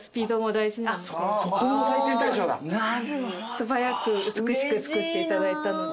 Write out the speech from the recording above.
素早く美しく作っていただいたので。